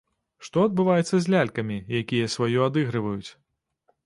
Што адбываецца з лялькамі, якія сваё адыгрываюць?